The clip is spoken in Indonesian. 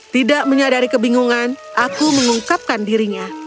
tidak menyadari kebingungan aku mengungkapkan dirinya